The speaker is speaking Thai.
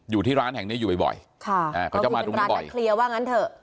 อยู่ที่ร้านแห่งเนี้ยอยู่บ่อยบ่อยค่ะอ่าเขาจะมาดูบ่อยว่างั้นเถอะ